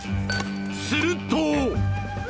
すると！